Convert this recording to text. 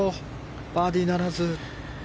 バーディーならず。